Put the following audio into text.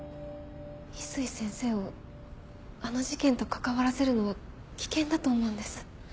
翡翠先生をあの事件と関わらせるのは危険だと思うんです。